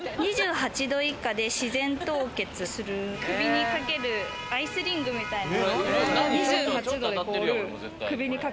２８度以下で自然凍結する、首にかけるアイスリングみたいな。